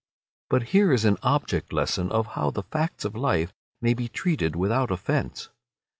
But here is an object lesson of how the facts of life may be treated without offence.